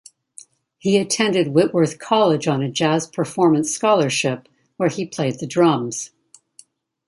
He attended Whitworth College on a jazz performance scholarship, where he played the drums.